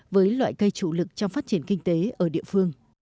với loại cây chủ lực trong phát triển kinh tế ở địa phương